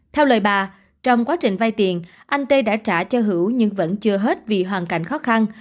theo lời bà trong quá trình vay tiền anh tê đã trả cho hữu nhưng vẫn chưa hết vì hoàn cảnh khó khăn